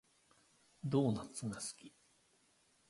ドーナツが好き